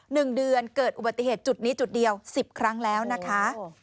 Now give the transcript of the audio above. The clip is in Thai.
หนึ่งเดือนเกิดอุบัติเหตุจุดนี้จุดเดียวสิบครั้งแล้วนะคะ